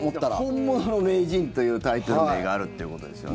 本物の名人というタイトル名があるってことですよね。